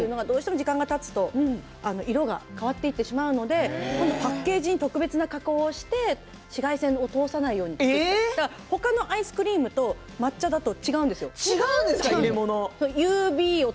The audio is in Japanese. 時間がたつと色が変わってしまうのでパッケージに特別な加工をして紫外線を通さないようにするとかだから他のアイスクリームと入れ物が違うんですよ。